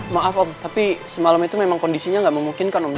maaf om tapi semalam itu memang kondisinya nggak memungkinkan om